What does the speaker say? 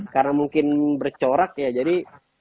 karena mungkin bercorak ya jadi